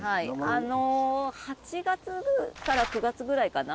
８月から９月ぐらいかな。